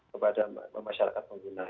kepada masyarakat pengguna